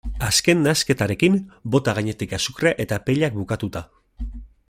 Azken nahasketarekin, bota gainetik azukrea eta pellak bukatuta.